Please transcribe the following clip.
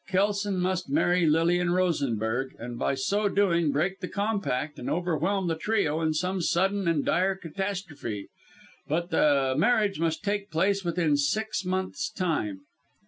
Kelson must marry Lilian Rosenberg, and by so doing, break the compact and overwhelm the trio in some sudden and dire catastrophe. But the marriage must take place within six months' time.